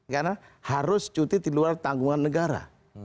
karena harus cuti di luar tanggungan negara